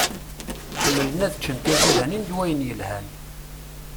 Ḥemmlen ad ččen tiẓidanin d wayen yelhan.